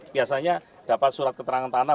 biasanya dapat surat keterangan tanah